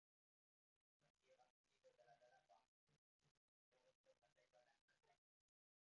Krasnaya Gorbatka is the nearest rural locality.